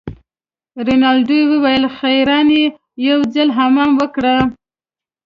رینالډي وویل خیرن يې یو ځلي حمام وکړه.